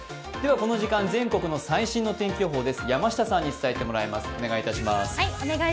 この時間、全国の最新の天気予報です。